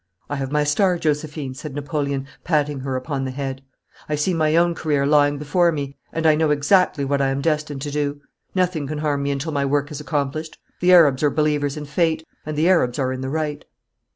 'I have my star, Josephine,' said Napoleon, patting her upon the head. 'I see my own career lying before me and I know exactly what I am destined to do. Nothing can harm me until my work is accomplished. The Arabs are believers in Fate, and the Arabs are in the right.'